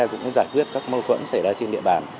cũng giải quyết các mâu thuẫn xảy ra trên địa bàn